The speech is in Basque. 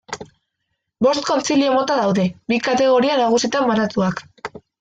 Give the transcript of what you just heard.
Bost kontzilio mota daude, bi kategoria nagusitan banatuak.